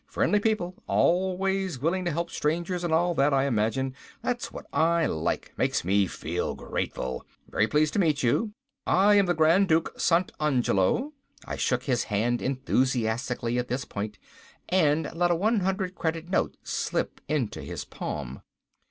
Friendly people, always willing to help strangers and all that I imagine. That's what I like. Makes me feel grateful. Very pleased to meet you. I am the Grand Duke Sant' Angelo." I shook his hand enthusiastically at this point and let a one hundred credit note slip into his palm.